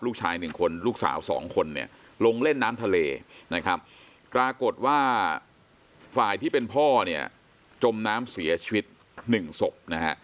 ลูกชายหนึ่งคนลูกสาวสองคนเนี่ยลงเล่นน้ำทะเลนะครับปรากฏว่าฝ่ายที่เป็นพ่อเนี่ยจมน้ำเสียชีวิตหนึ่งศพนะฮะ